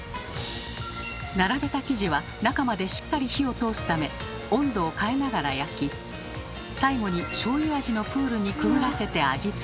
並べた生地は中までしっかり火を通すため温度を変えながら焼き最後にしょうゆ味のプールにくぐらせて味付け。